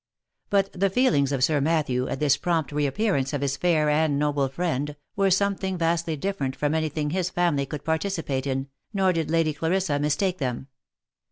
But the feelings of Sir Matthew, at this prompt reappearance of his fair and noble friend, were something vastly different from any thing his family could participate in, nor did Lady Clarissa mistake them.